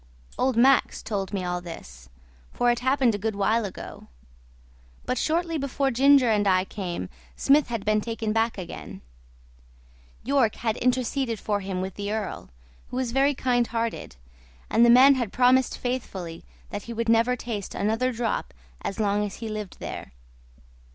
Old Max told me all this, for it happened a good while ago; but shortly before Ginger and I came Smith had been taken back again. York had interceded for him with the earl, who is very kind hearted, and the man had promised faithfully that he would never taste another drop as long as he lived there.